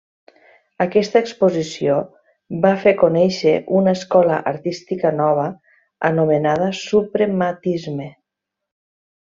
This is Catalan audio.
Aquesta exposició va fer conèixer una escola artística nova, anomenada suprematisme.